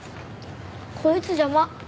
こいつ邪魔。